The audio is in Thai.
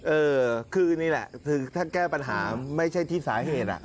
เออคือนี่แหละคือถ้าแก้ปัญหาไม่ใช่ที่สาเหตุ